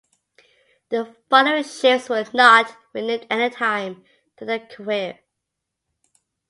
The following ships were not renamed anytime during their career.